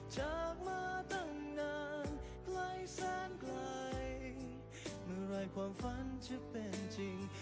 จากมาตั้งนานหลายแสนไกลเมื่อไหร่ความฝันจะเป็นจริง